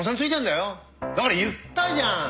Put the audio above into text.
だから言ったじゃん！